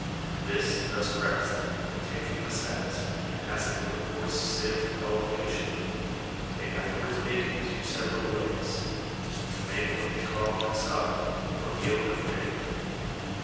This, thus press'd, they take from the Sacks, and pass it through a coarse Sieve called Hibichet; they afterwards bake it two several ways, to make what they call Cassave, or Meal of Manioc.